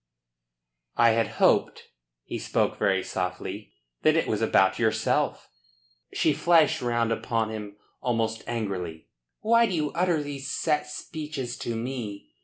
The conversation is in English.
"I had hoped," he spoke very softly, "that it was about yourself." She flashed round upon him almost angrily. "Why do you utter these set speeches to me?"